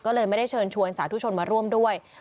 ก็เลยไม่ได้เชิญชวนสาธุชนมาร่วมด้วย